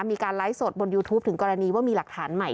มีการไลฟ์สดบนยูทูปถึงกรณีว่ามีหลักฐานใหม่